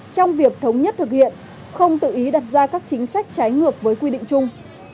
trong việc thống nhất thực hiện không tự ý đặt ra các chính sách trái ngược với quy định chung